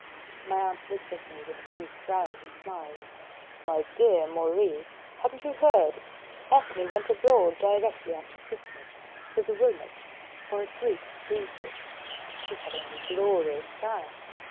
My aunt looked at me with raised brows and smiled. "My dear Maurice, hadn't you heard? Ethne went abroad directly after Christmas, with the Wilmotts, for a trip to Egypt. She's having a glorious time!"